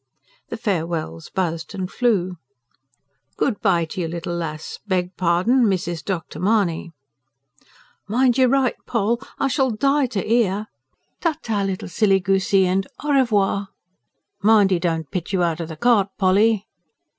The farewells buzzed and flew. "Good bye to you, little lass ... beg pardon, Mrs. Dr. Mahony!" "Mind you write, Poll! I shall die to 'ear." "Ta ta, little silly goosey, and AU REVOIR!" "Mind he don't pitch you out of the cart, Polly!"